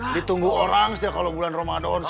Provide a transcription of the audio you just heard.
ditunggu orang kalau bulan ramadan so